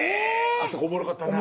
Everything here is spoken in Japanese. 「あそこおもろかったな」